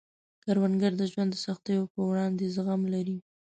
کروندګر د ژوند د سختیو په وړاندې زغم لري